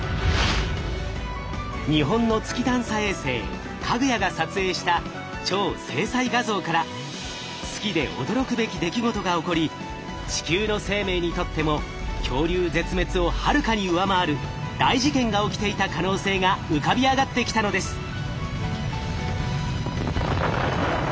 日本の月探査衛星「かぐや」が撮影した超精細画像から月で驚くべき出来事が起こり地球の生命にとっても恐竜絶滅をはるかに上回る大事件が起きていた可能性が浮かび上がってきたのです。